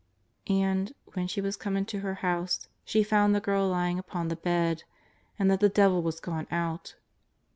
And, when she was come into her house, she found the girl lying upon the bed, and that the devil was gone out.